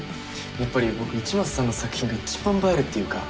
やっぱり僕市松さんの作品がいちばん映えるっていうか。